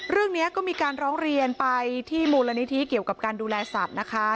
เรื่องนี้ก็มีการร้องเรียนไปที่มูลนิธิเกี่ยวกับการดูแลสัตว์นะคะ